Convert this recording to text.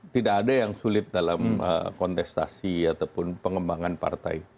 tidak ada yang sulit dalam kontestasi ataupun pengembangan partai